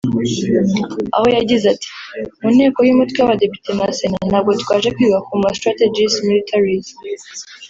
Aho yagize ati “Mu nteko y’umutwe w’abadepite na Sena ntabwo twaje kwiga ku ma ‘strategies militaries